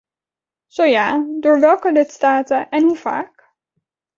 Zo ja, door welke lidstaten en hoe vaak?